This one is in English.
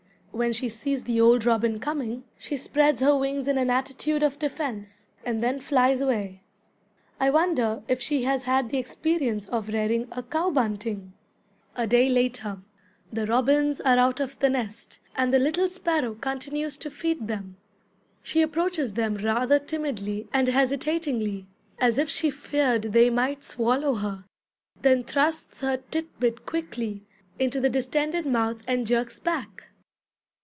When she sees the old robin coming, she spreads her wings in an attitude of defense, and then flies away. I wonder if she has had the experience of rearing a cow bunting?" (A day later.) "The robins are out of the nest, and the little sparrow continues to feed them. She approaches them rather timidly and hesitatingly, as if she feared they might swallow her, then thrusts her titbit quickly into the distended mouth and jerks back."